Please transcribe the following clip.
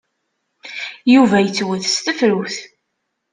Yuba yettwet s tefrut.